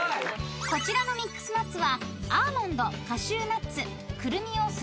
［こちらのミックスナッツは］